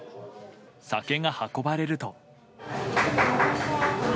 酒が運ばれると。